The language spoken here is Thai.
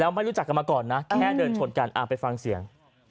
ไม่รู้จักกันมาก่อนนะแค่เดินชนกันไปฟังเสียง